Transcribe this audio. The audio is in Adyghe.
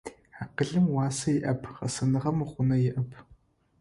Акъылым уасэ иӏэп, гъэсэныгъэм гъунэ иӏэп.